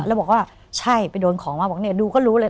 แล้วบอกว่าใช่ไปโดนของมาบอกเนี่ยดูก็รู้เลย